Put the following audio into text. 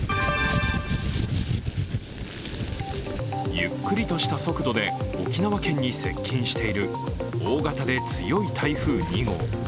ゆっくりとした速度で沖縄県に接近している大型で強い台風２号。